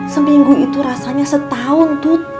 seminggu itu rasanya setahun tuh